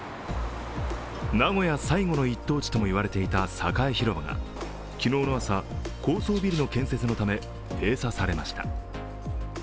名古屋最後の一等地とも言われていた栄広場が昨日の朝、高層ビルの建設のため閉鎖されました。